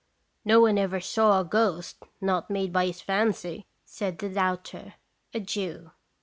" No one ever saw a ghost not made by his fancy," said the doubter a Jew.